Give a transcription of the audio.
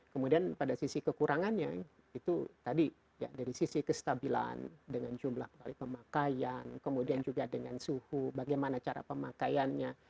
kemudian pada sisi kekurangannya itu tadi ya dari sisi kestabilan dengan jumlah kembali pemakaian kemudian juga dengan suhu bagaimana cara pemakaiannya